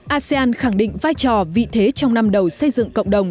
asean khẳng định vai trò vị thế trong năm đầu xây dựng cộng đồng